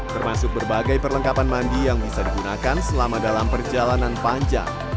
termasuk berbagai perlengkapan mandi yang bisa digunakan selama dalam perjalanan panjang